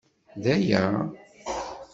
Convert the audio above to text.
D aya?